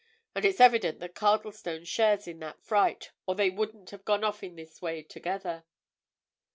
And it's evident that Cardlestone shares in that fright, or they wouldn't have gone off in this way together."